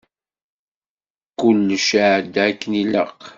Kullec iɛedda akken ilaq.